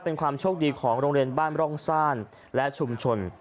เป็นความโชคดีของโรงเรียนบ้านร่องซ่านและชุมชน